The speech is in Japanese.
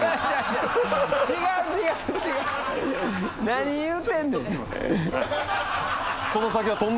何言うてんねん。